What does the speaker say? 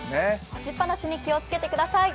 干しっぱなしに気をつけてください。